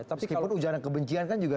meskipun ujana kebencian kan juga